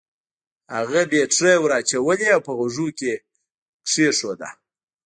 هغه بېټرۍ ور واچولې او په غوږو کې يې کېښوده.